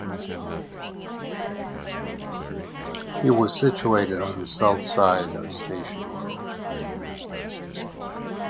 It was situated on the south side of Station Road.